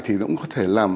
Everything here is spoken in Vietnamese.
thì nó cũng có thể làm